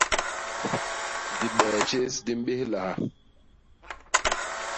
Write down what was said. Dibee tjés di mbéhlaha.